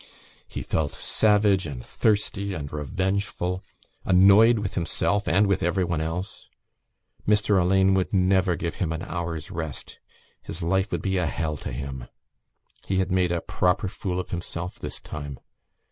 He felt savage and thirsty and revengeful, annoyed with himself and with everyone else. Mr Alleyne would never give him an hour's rest; his life would be a hell to him. He had made a proper fool of himself this time.